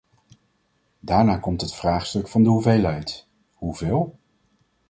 Daarna komt het vraagstuk van de hoeveelheid: hoeveel?